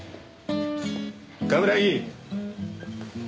冠城。